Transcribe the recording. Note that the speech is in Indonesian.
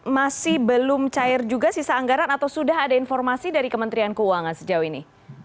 masih belum cair juga sisa anggaran atau sudah ada informasi dari kementerian keuangan sejauh ini